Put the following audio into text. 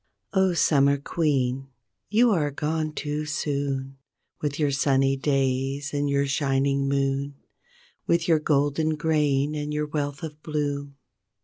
0, Summer Queen! you are gone too soon With your sunny days and your shining moon, With your golden grain and your wealth of bloom.